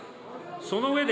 その上で、